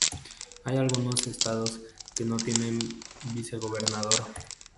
Hay algunos estados que no tienen vicegobernador.